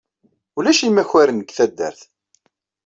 Ulac imakaren deg taddart.